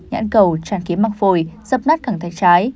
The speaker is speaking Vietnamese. nhãn cầu tràn kiếm mặc phồi dập nát cẳng tay trái